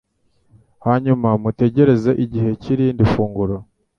hanyuma mutegereze igihe cy’irindi funguro.